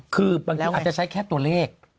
คือบางทีอาจจะใช้แค่ตัวเลข